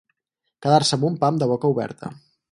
Quedar-se amb un pam de boca oberta.